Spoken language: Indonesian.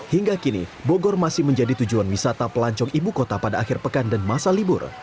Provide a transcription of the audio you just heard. hingga kini bogor masih menjadi tujuan wisata pelancong ibu kota pada akhir pekan dan masa libur